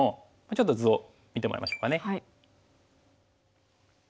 ちょっと図を見てもらいましょうかね。